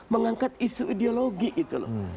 mengangkat isu ideologi gitu loh